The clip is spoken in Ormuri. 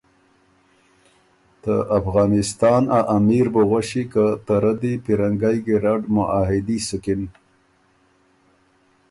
ته افغانستا ا امیر بُو غؤݭی که ته رۀ دی پیرنګئ ګیرډ معاهدي سُکِن